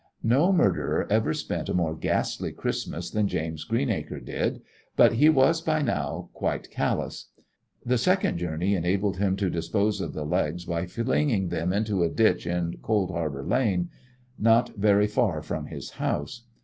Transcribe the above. No murderer ever spent a more ghastly Christmas than James Greenacre did, but he was by now quite callous. The second journey enabled him to dispose of the legs by flinging them into a ditch in Coldharbour Lane, not very far from his house.